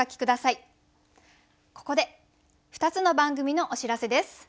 ここで２つの番組のお知らせです。